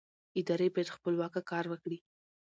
ادارې باید خپلواکه کار وکړي